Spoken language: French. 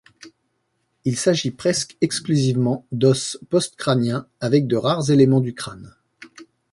Il s'agit presque exclusivement d'os post-crâniens avec de rares éléments du crâne.